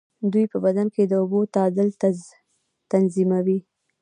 دوی په بدن کې د اوبو تعادل تنظیموي.